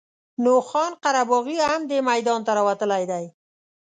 نو خان قره باغي هم دې میدان ته راوتلی دی.